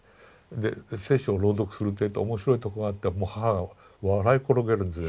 で聖書を朗読するっていうと面白いとこがあったらもう母が笑い転げるんですよ。